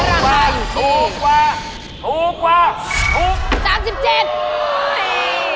ระคาอยู่ที่